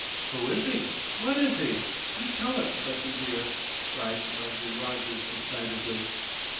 "Who is he? What is he? Do tell us, Wessie, dear," cried Marjorie Rogers excitedly.